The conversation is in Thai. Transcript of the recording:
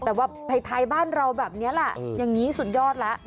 แต่ว่าไทยบ้านเราแบบนี้แหละอย่างนี้สุดยอดแล้ว